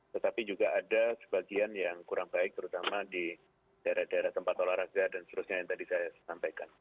tetapi juga ada sebagian yang kurang baik terutama di daerah daerah tempat olahraga dan seterusnya yang tadi saya sampaikan